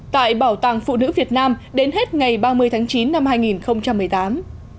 tại bảo tàng phụ nữ việt nam đến hết ngày ba mươi tháng chín năm hai nghìn một mươi tám